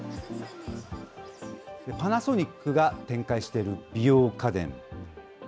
パナソニックが展開している美容家電。